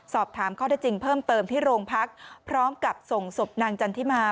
สอบถามข้อได้จริงเพิ่มเติมที่โรงพักพร้อมกับส่งศพนางจันทิมา